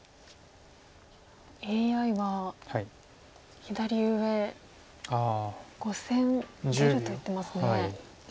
ＡＩは左上５線出ると言ってますね。